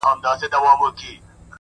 زما د تصور لاس گراني ستا پر ځــنگانـه؛